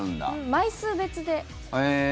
枚数別で。